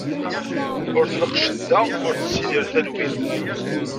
Ur tneqq cedda, ur tessidir telwit.